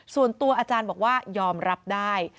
ส่วนตัวอาจารย์บอกว่ายอมรับได้